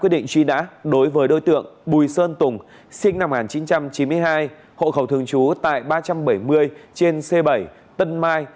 quyết định truy nã đối với đối tượng bùi sơn tùng sinh năm một nghìn chín trăm chín mươi hai hộ khẩu thường trú tại ba trăm bảy mươi trên c bảy tân mai